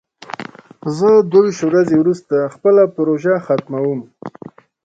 زه دوه ویشت ورځې وروسته خپله پروژه ختموم.